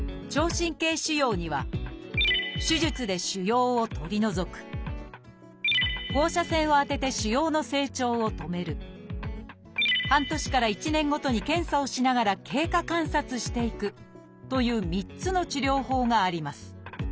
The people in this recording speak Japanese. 神経腫瘍には「手術で腫瘍を取り除く」「放射線を当てて腫瘍の成長を止める」「半年から１年ごとに検査をしながら経過観察していく」という３つの治療法があります。